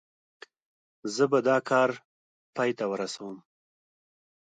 زه به دا کار پای ته ورسوم.